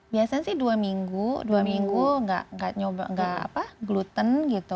biasanya sih dua minggu dua minggu nggak gluten gitu